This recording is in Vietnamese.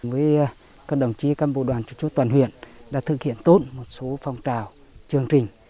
với các đồng chí cán bộ đoàn chủ chốt toàn huyện đã thực hiện tốt một số phong trào chương trình